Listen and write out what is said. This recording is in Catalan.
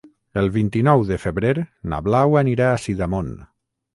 El vint-i-nou de febrer na Blau anirà a Sidamon.